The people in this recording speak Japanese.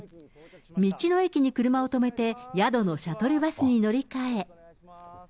道の駅に車を止めて、宿のシャトルバスに乗り換え。